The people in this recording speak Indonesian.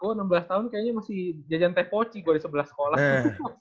gue enam belas tahun kayaknya masih jajan teh poci gue di sebelah sekolah